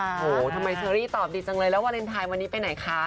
โอ้โหทำไมเชอรี่ตอบดีจังเลยแล้ววาเลนไทยวันนี้ไปไหนคะ